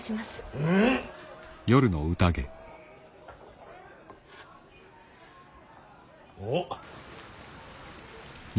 うん。おっ。